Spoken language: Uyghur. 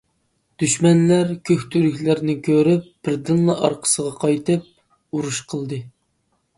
دۈشمەنلەر كۆكتۈركلەرنى كۆرۈپ، بىردىنلا ئارقىسىغا قايتىپ ئۇرۇش قىلدى.